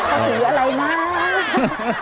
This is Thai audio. เขาถืออะไรมาก